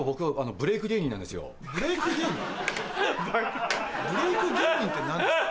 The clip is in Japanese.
バカ。ブレイク芸人って何ですか？